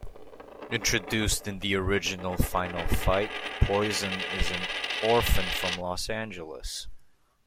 Introduced in the original "Final Fight", Poison is an orphan from Los Angeles.